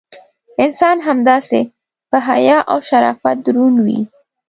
انسان همداسې: په حیا او شرافت دروند وي.